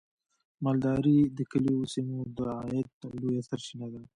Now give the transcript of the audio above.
مالداري د کليوالو سیمو د عاید لویه سرچینه ده.